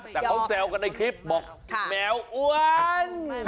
แต่เขาแซวกันในคลิปบอกแมวอ้วน